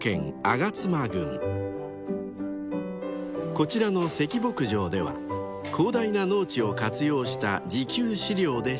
［こちらの関牧場では広大な農地を活用した自給飼料で飼育］